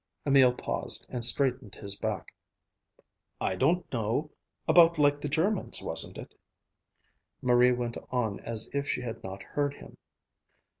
Emil paused and straightened his back. "I don't know. About like the Germans', wasn't it?" Marie went on as if she had not heard him.